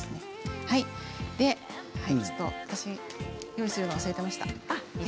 私用意するのを忘れてました。